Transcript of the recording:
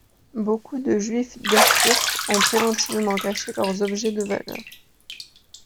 Beaucoup de Juifs d'Erfurt ont préventivement caché leurs objets de valeur.